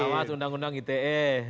maaf undang undang ite